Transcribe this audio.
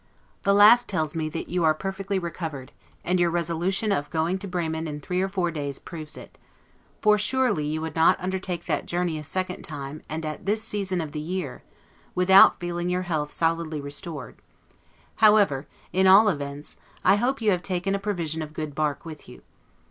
The last tells me that you are perfectly recovered; and your resolution of going to Bremen in three or four days proves it; for surely you would not undertake that journey a second time, and at this season of the year, without feeling your health solidly restored; however, in all events, I hope you have taken a provision of good bark with you.